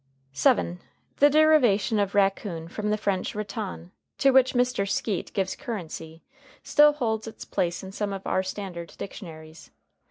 ] [Footnote 7: The derivation of raccoon from the French raton, to which Mr. Skeat gives currency, still holds its place in some of our standard dictionaries.